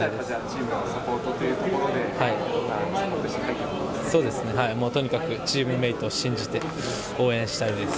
チームのサポートというところで、そうですね、もうとにかくチームメートを信じて応援したいです。